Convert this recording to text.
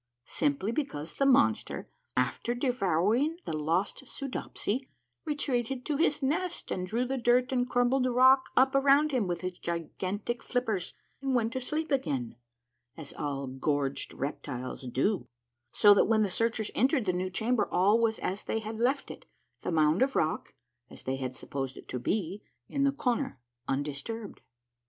Simply because the monster, after devouring the lost Soodopsy, retreated to his nest and drew the dirt and crumbled rock up around him with his gigantic flippei's, and went to sleep again, as all gorged reptiles do, so that when the searchers entered the new chamber all was as they had left it, the mound of rock, as they had supposed it to be, in the corner undisturbed.